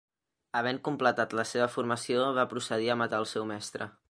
Havent completat la seva formació, va procedir a matar el seu mestre.